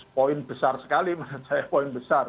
poin besar sekali menurut saya poin besar